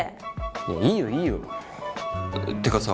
いやいいよいいよ。ってかさ